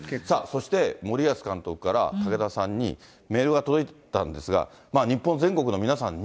そして森保監督から武田さんにメールが届いたんですが、日本全国の皆さんに。